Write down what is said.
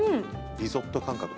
リゾット感覚。